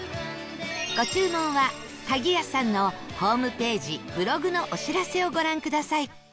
ご注文は鍵屋さんのホームページブログのお知らせをご覧ください